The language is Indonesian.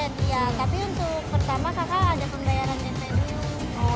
tapi untuk pertama kakak ada pembayaran netterium